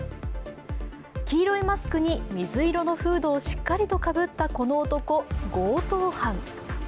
黄色いマスクに水色のフードをしっかりとかぶった、この男強盗犯。